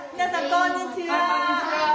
こんにちは。